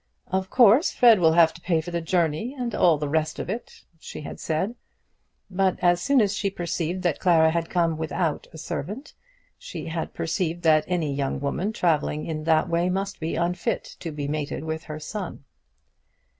"Of course Fred will have to pay for the journey and all the rest of it," she had said. But as soon as she had perceived that Clara had come without a servant, she had perceived that any young woman who travelled in that way must be unfit to be mated with her son.